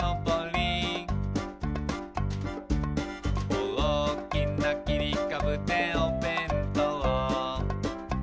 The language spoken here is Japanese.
「おおきなきりかぶでおべんとう」